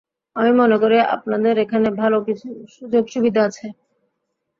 আমি মনেকরি আপনাদের এখানে ভালো কিছু সুযোগ-সুবিধা আছে।